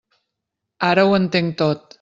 Ara ho entenc tot.